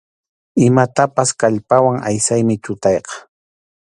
Imatapas kallpawan aysaymi chutayqa.